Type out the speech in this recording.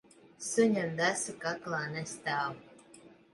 Suņam desa kaklā nestāv.